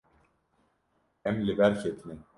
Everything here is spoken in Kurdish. Em li ber ketine.